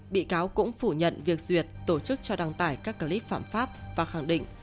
bị cáo cũng phủ nhận việc duyệt tổ chức cho đăng tải các clip phạm pháp và khẳng định